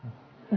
minta sama allah